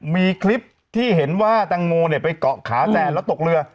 มีคลิปที่เห็นว่าแตงโมไปเกาะขาแซนแล้วตกเรือ